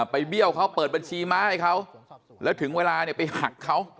เบี้ยวเขาเปิดบัญชีม้าให้เขาแล้วถึงเวลาเนี่ยไปหักเขา